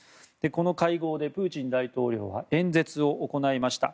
この会合でプーチン大統領は演説を行いました。